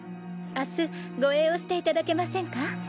明日護衛をしていただけませんか？